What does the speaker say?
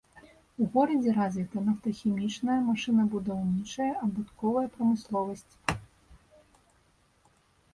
У горадзе развіта нафтахімічная, машынабудаўнічая, абутковая прамысловасць.